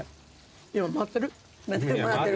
今回ってる？